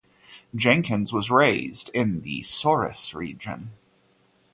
Jenkins was raised in the Souris region.